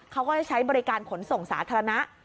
เขาก็จะใช้บริการขนส่งสาธารณะ